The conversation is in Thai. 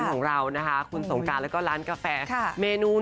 ยังใช่ไหมคะยังค่ะค่ะยังทำงานอยู่